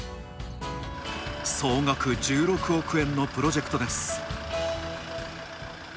総額１６億円のプロジェクトです。